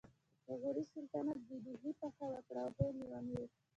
د غوري سلطنت د دهلي فتحه وکړه او هند یې ونیو